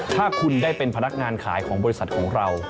ถ้าคุณได้เป็นพนักงานขายของบริษัทของเรา